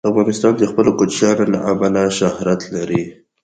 افغانستان د خپلو کوچیانو له امله شهرت لري.